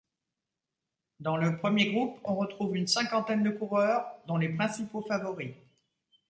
Dans le premier groupe, on retrouve une cinquantaine de coureurs, dont les principaux favoris.